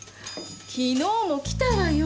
昨日も来たわよ。